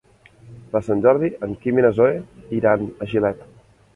Per Sant Jordi en Quim i na Zoè iran a Gilet.